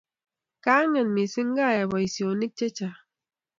Kaang'et missing', kayai poisyonik chechang'